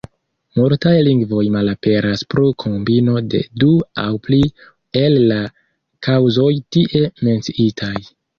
Multaj lingvoj malaperas pro kombino de du aŭ pli el la kaŭzoj tie menciitaj.